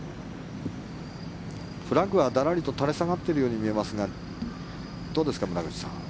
フラッグはだらりと垂れ下がっているように見えますがどうですか、村口さん。